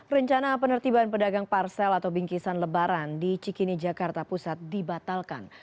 rencana penertiban pedagang parsel atau bingkisan lebaran di cikini jakarta pusat dibatalkan